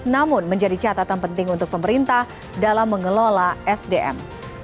namun menjadi catatan penting untuk pemerintah dalam mengelola sdm